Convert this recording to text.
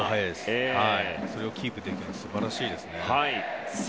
それをキープできるのは素晴らしいですね。